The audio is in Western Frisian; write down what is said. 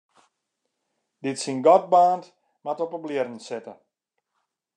Dy't syn gat baarnt, moat op 'e blierren sitte.